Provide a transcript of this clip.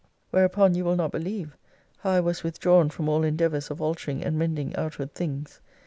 Whereupon you will not believe, how I was withdrawn from all endeavours of altering and mending outward things.